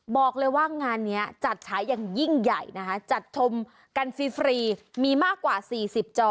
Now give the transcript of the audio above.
บอกเลยว่างานนี้จัดฉายอย่างยิ่งใหญ่นะคะจัดชมกันฟรีมีมากกว่า๔๐จอ